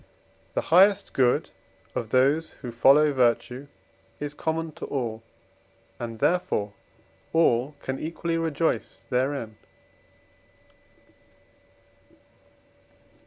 The highest good of those who follow virtue is common to all, and therefore all can equally rejoice therein.